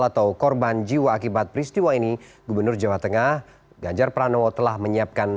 atau korban jiwa akibat peristiwa ini gubernur jawa tengah ganjar pranowo telah menyiapkan